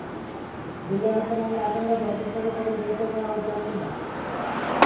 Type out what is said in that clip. বিল্লাল হত্যা মামলার আসামিরা পলাতক থাকায় তাঁদের গ্রেপ্তার করা যাচ্ছে না।